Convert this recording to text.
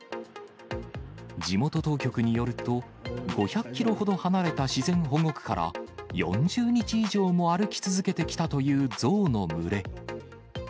地元当局によると、５００キロほど離れた自然保護区から４０日以上も歩き続けてきたという象の群れ。